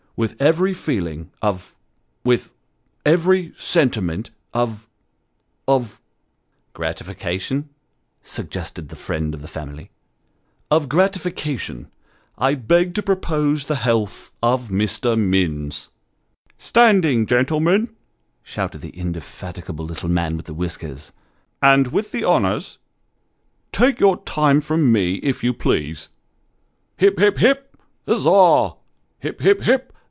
With every feeling of with every sentiment of of "" Gratification " suggested the friend of the family. " Of gratification, I beg to propose the health of Mr. Minns." " Standing, gentlemen !" shouted the indefatigable little man with the whiskers " and with the honours. Take your time from me, if you please. Hip! hip! hip! Za! Hip! hip! hip!